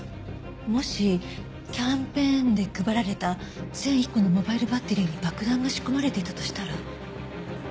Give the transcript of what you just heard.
もしキャンペーンで配られた１００１個のモバイルバッテリーに爆弾が仕込まれていたとしたら。